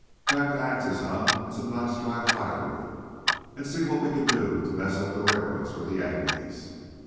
"Back to axes, eh, an' some nice dry firewood an' see what we can do to mess up the railroads for the Yankees.